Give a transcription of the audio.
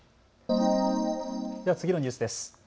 では次のニュースです。